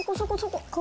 ここ？